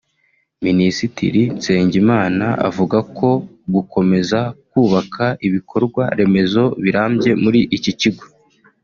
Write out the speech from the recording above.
Minisitiri Nsengimana avuga ko gukomeza kubaka ibikorwa remezo birambye muri iki kigo